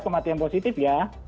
kematian positif ya